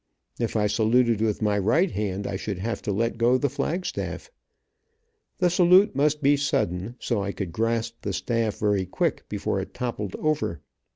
If I saluted with my right hand, I should have to let go the flag staff. The salute must be sudden, so I could grasp the staff very quick, before it toppled over.